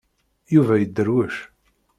Yuba yedderwec.